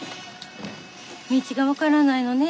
道が分からないのね。